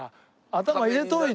頭入れておいて。